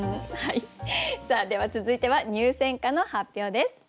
さあでは続いては入選歌の発表です。